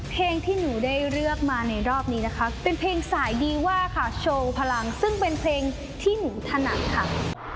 เพลงที่หนูได้เลือกมาในรอบนี้นะคะเป็นเพลงสายดีว่าค่ะโชว์พลังซึ่งเป็นเพลงที่หนูถนัดค่ะ